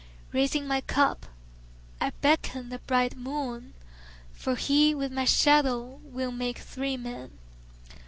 Raising my cup I beckon the bright moon, For he, with my shadow, will make three men.